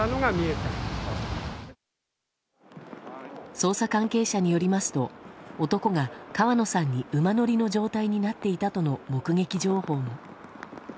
捜査関係者によりますと男が川野さんに馬乗りの状態になっていたとの目撃情報も。